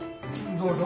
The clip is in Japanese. どうぞ。